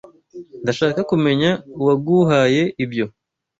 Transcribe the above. Ndashaka kumenya uwaguhaye ibyo.